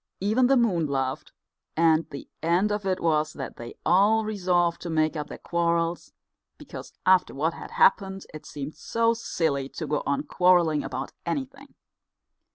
Even the moon laughed, and the end of it was that they all resolved to make up their quarrels, because after what had happened it seemed so silly to go on quarrelling about anything.